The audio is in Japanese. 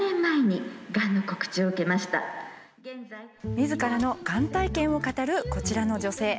みずからのがん体験を語るこちらの女性。